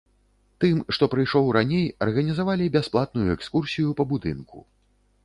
Тым, што прыйшоў раней, арганізавалі бясплатную экскурсію па будынку.